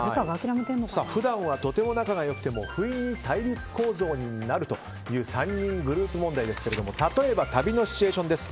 普段はとても仲が良くても不意に対立構造になるという３人グループ問題ですが例えば旅のシチュエーションです。